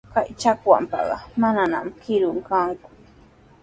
Kay chakwanpaqa mananami kirun kanku.